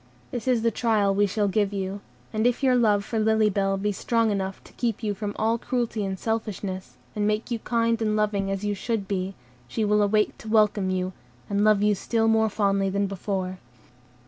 This is the trial we shall give you; and if your love for Lily Bell be strong enough to keep you from all cruelty and selfishness, and make you kind and loving as you should be, she will awake to welcome you, and love you still more fondly than before."